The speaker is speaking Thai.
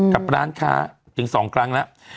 กับร้านค้าหยุดถึง๒กลางแล้ว